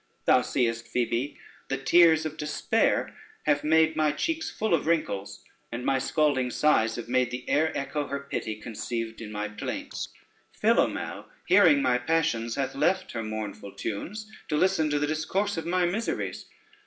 Thou seest, Phoebe, the tears of despair have made my cheeks full of wrinkles, and my scalding sighs have made the air echo her pity conceived in my plaints: Philomele hearing my passions, hath left her mournful tunes to listen to the discourse of my miseries.